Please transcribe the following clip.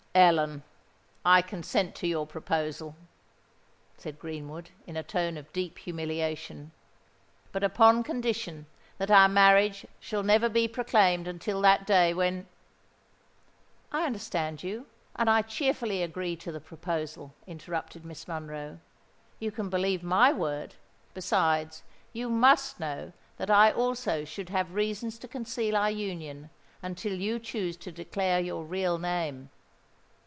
"Ellen, I consent to your proposal," said Greenwood, in a tone of deep humiliation; "but upon condition that our marriage shall never be proclaimed until that day, when——" "I understand you; and I cheerfully agree to the proposal," interrupted Miss Monroe. "You can believe my word:—besides, you must know that I also should have reasons to conceal our union, until you chose to declare your real name."